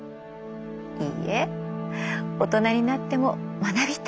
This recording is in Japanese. いいえ大人になっても学びたい！